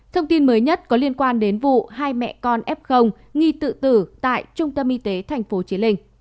thông tin mới nhất có liên quan đến vụ hai mẹ con f nghi tự tử tại trung tâm y tế tp chí linh